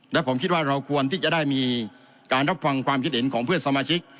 และผมคิดว่าเราควรที่จะได้มีการรับฟังความคิดเห็นของเพื่อนสมาชิก